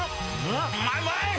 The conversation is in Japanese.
うまい！